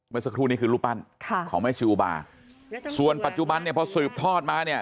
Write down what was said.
เมื่อสักครู่นี้คือรูปปั้นค่ะของแม่ชิวบาส่วนปัจจุบันเนี่ยพอสืบทอดมาเนี่ย